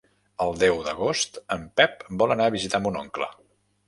El deu d'agost en Pep vol anar a visitar mon oncle.